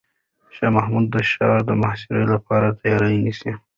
شاه محمود د ښار د محاصرې لپاره تیاری نیسي.